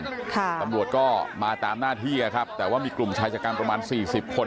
ตำรวจ็ก็มาตามหน้าที่แต่ว่ามีกลุ่มฉายจังกรรมประมาณ๔๐คน